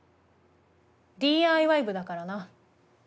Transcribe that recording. ＤＩＹ部だからな。